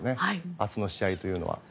明日の試合というのは。